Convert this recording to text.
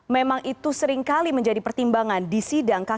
memang itu seringkali menjadi pertimbangan di sidang kpk